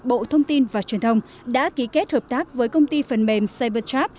bộ thông tin và truyền thông đã ký kết hợp tác với công ty phần mềm cybertrap